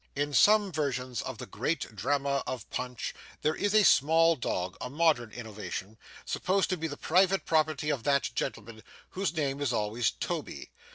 In some versions of the great drama of Punch there is a small dog a modern innovation supposed to be the private property of that gentleman, whose name is always Toby.